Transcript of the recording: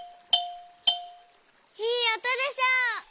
いいおとでしょ！